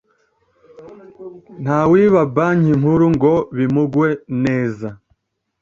ntawiba banki nkuru ngo bimugwe neza